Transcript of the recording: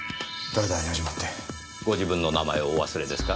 ご自分の名前をお忘れですか？